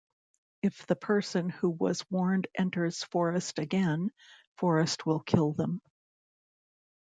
If the person who was warned enters Forest again, Forest will kill them.